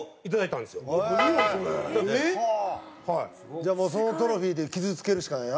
じゃあもうそのトロフィーで傷つけるしかないな。